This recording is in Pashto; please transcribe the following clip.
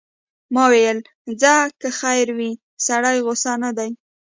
ما ویل ځه که خیر وي، سړی غوسه نه دی.